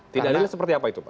tidak adilnya seperti apa itu pak